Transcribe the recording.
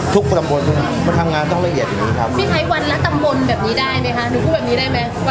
ทุกตำบลทุกคนทำงานต้องละเอียดอย่างนี้ครับมีใครวันละตำบลแบบนี้ได้ไหมคะ